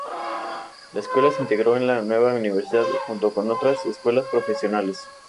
La escuela se integró en la nueva universidad, junto con otras escuelas profesionales.